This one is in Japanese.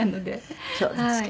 そうですか。